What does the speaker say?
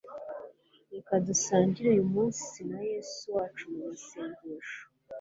reka dusangire uyu munsi na yesu wacu mumasengesho